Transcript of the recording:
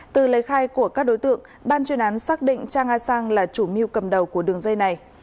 từ lời khai của các đối tượng ban chuyên án xác định trang a sang là chủ mưu cầm đầu của đường dây này